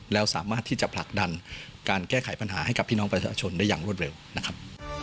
แล้วสามารถที่จะผลักดันการแก้ไขปัญหาให้กับพี่น้องประชาชนได้อย่างรวดเร็วนะครับ